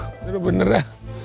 ini bener bener ya